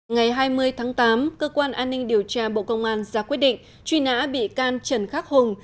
ngày hai mươi tháng tám cơ quan an ninh điều tra bộ công an ra quyết định truy nã bị can trần khắc hùng